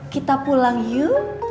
kita pulang yuk